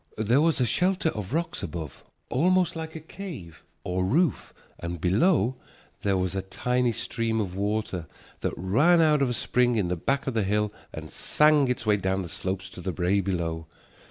There was a shelter of rocks above, almost like a cave or roof, and below there was a tiny stream of water that ran out of a spring in the back of the hill and sang its way down the slope to the brae below.